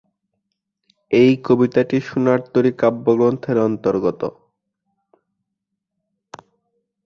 এই কবিতাটি "সোনার তরী" কাব্যগ্রন্থের অন্তর্গত।